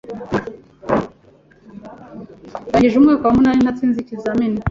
Ndangije umwaka wa munani natsinze ikizamini